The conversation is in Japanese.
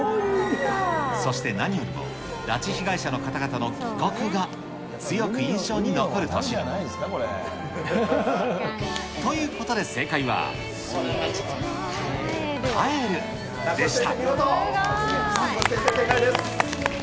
そして何よりも、拉致被害者の方々の帰国が強く印象に残る年に。ということで、名越先生、正解です。